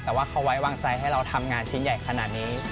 แต่ว่าเขาไว้วางใจให้เราทำงานชิ้นใหญ่ขนาดนี้